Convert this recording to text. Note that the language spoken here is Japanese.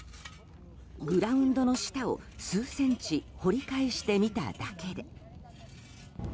グラウンドの下を数センチ掘り返してみただけで。